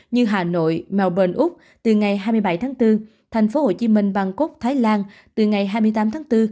như hà nội melbourne úc từ ngày hai mươi bảy tháng bốn thành phố hồ chí minh bangkok thái lan từ ngày hai mươi tám tháng bốn